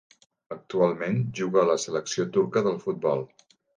Actualment juga a la selecció turca del futbol.